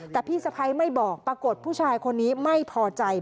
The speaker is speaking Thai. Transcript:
แต่พี่สะพ้ายไม่บอกปรากฏผู้ชายคนนี้ไม่พอใจ